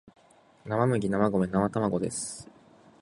生麦生米生卵です